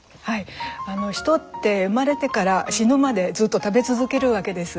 人って生まれてから死ぬまでずっと食べ続けるわけです。